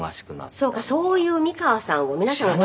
そういう美川さんを皆さんは。